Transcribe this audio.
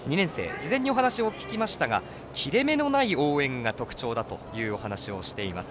事前にお話を聞きましたが切れ目のない応援が特徴だというお話をしています。